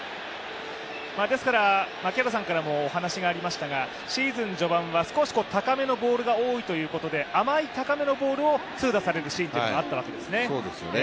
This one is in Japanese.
ですから、お話しあったように、シーズン序盤が少し高めのボールが多いということで甘い高めのボールを痛打されるシーンがあったわけですね。